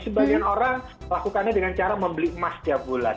sebagian orang lakukannya dengan cara membeli emas setiap bulan